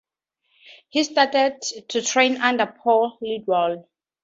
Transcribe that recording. He started to train under Po Lindwall.